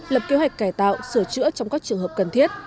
lập kế hoạch cải tạo sửa chữa trong các trường hợp cần thiết